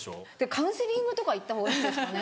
カウンセリングとか行った方がいいんですかね？